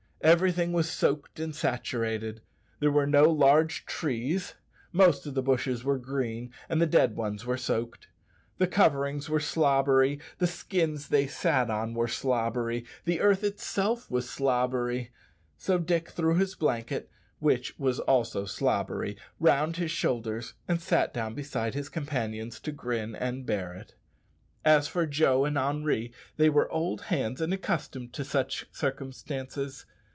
Everything was soaked and saturated. There were no large trees; most of the bushes were green, and the dead ones were soaked. The coverings were slobbery, the skins they sat on were slobbery, the earth itself was slobbery; so Dick threw his blanket (which was also slobbery) round his shoulders, and sat down beside his companions to grin and bear it. As for Joe and Henri, they were old hands and accustomed to such circumstances.